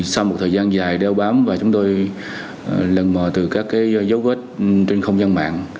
sau một thời gian dài đeo bám và chúng tôi lần mò từ các dấu vết trên không gian mạng